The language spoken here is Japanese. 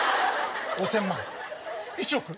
５０００万１億。